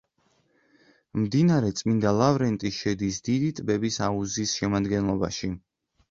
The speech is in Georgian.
მდინარე წმინდა ლავრენტი შედის დიდი ტბების აუზის შემადგენლობაში.